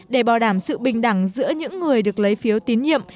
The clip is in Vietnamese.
để bảo đảm sự bình đẳng giữa những người được lấy phiếu tín nhiệm